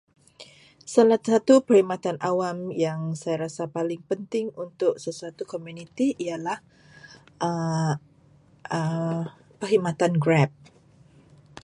Salah satu perkhidmatan awam yang saya rasa paling penting untuk sesuatu komuniti ialah perkhidmattan Grab.